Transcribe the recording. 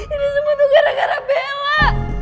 ini semua tuh gara gara bewak